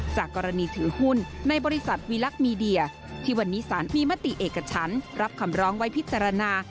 จากกรณีถือหุ้นในบริษัทวีลักษณ์มีเดียที่วันนี้สารมีมติเอกชั้นรับคำร้องไว้พิจารณา